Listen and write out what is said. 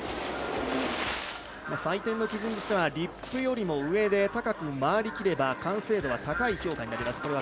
採点の基準としてはリップよりも上で高く回りきれば完成度は高い評価です。